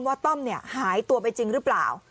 ต้อมหายตัวไปจริงหรือเปล่า